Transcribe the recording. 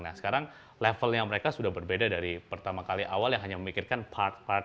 nah sekarang levelnya mereka sudah berbeda dari pertama kali awal yang hanya memikirkan part part